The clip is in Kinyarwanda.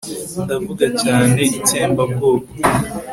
Ndavuga cyane itsembabwoko